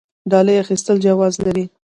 ډالۍ اخیستل جواز لري؟